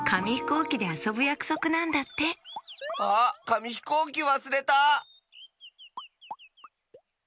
うきであそぶやくそくなんだってあっかみひこうきわすれた！